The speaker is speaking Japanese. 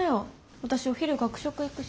私お昼学食行くし。